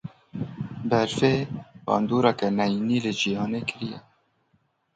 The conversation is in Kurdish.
Berfê bandoreke neyînî li jiyanê kiriye